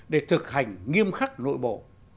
để thực hành nghiêm khắc nội bộ